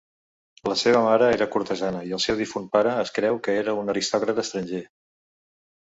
La seva mare era cortesana i el seu difunt pare es creu que era un aristòcrata estranger.